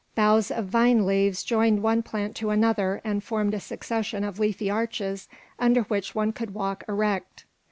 Boughs of vine leaves joined one plant to another and formed a succession of leafy arches under which one could walk erect.